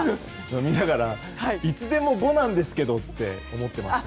飲みながらいつでも５なんですけどと思ってます。